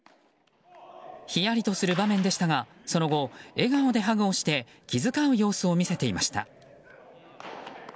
ひやりとする場面でしたがその後、笑顔でハグをして気遣う様子を見せていました。